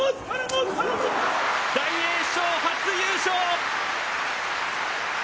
大栄翔初優勝！